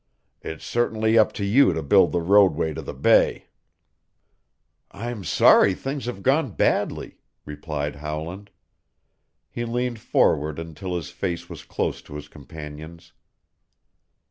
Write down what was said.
It's certainly up to you to build the roadway to the bay." "I'm sorry things have gone badly," replied Howland. He leaned forward until his face was close to his companion's.